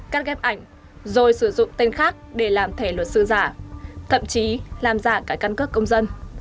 cắt ghép ảnh rồi sử dụng tên khác để làm thẻ luật sư giả thậm chí làm giả cả căn cước công dân